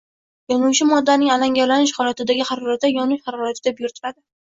Yonuvchi moddaning alangalanish holatidagi harorati yonish harorati deb yuritiladi.